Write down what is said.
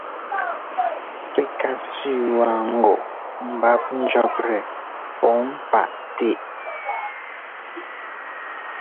Pɛ́ ka sẅi waa ŋgɔ mbǎp njʉ̈ptɛ́ pǔŋ paʼtɛ́.